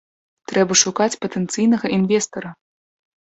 Трэба шукаць патэнцыйнага інвестара.